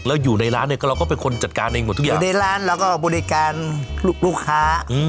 แล้วอยู่ในร้านเนี่ยก็เราก็เป็นคนจัดการเองหมดทุกอย่างอยู่ในร้านเราก็บริการลูกค้า